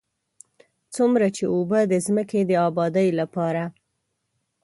څومره چې اوبه د ځمکې د ابادۍ لپاره.